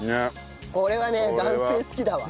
これはね男性好きだわ。